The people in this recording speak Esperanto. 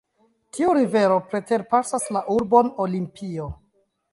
Tiu rivero preterpasas la urbon Olimpio.